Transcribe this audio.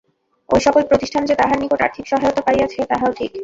ঐ-সকল প্রতিষ্ঠান যে তাঁহার নিকট আর্থিক সহায়তা পাইয়াছে তাহাও ঠিক।